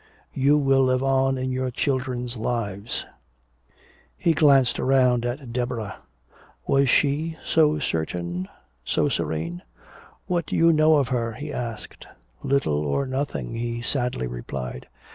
"You will live on in our children's lives." He glanced around at Deborah. Was she so certain, so serene? "What do I know of her?" he asked. "Little or nothing," he sadly replied.